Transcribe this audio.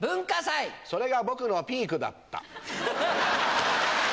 それが僕のピークだった。